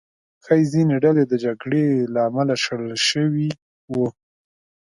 ښایي ځینې ډلې د جګړې له امله شړل شوي وو.